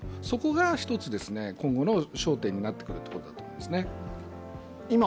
そこが一つ今後の焦点になってくると思いますね。